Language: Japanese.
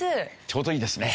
ちょうどいいですね。